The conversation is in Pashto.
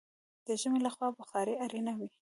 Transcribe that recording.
د ژمي له خوا بخارۍ اړینه وي.